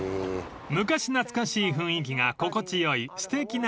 ［昔懐かしい雰囲気が心地よいすてきな商店街へ］